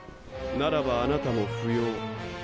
ならばあなたも不要。